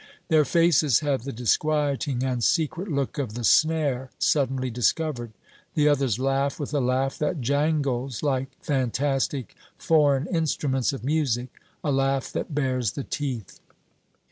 Their faces have the disquieting and secret look of the snare suddenly discovered. The others laugh with a laugh that jangles like fantastic foreign instruments of music, a laugh that bares the teeth.